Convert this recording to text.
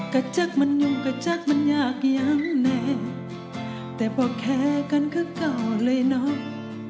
กระจักมันยุ่งกระจักมันยากยังแน่แต่พอแค้งก็กล่าวเลยน้อง